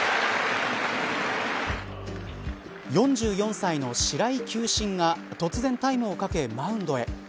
４４歳の白井球審が突然タイムをかけマウンドへ。